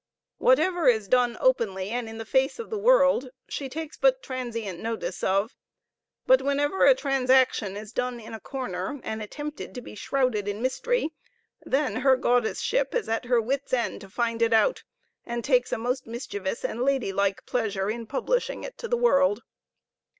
Whatever is done openly and in the face of the world, she takes but transient notice of; but whenever a transaction is done in a corner, and attempted to be shrouded in mystery, then her goddess ship is at her wits' end to find it out, and takes a most mischievous and lady like pleasure in publishing it to the world.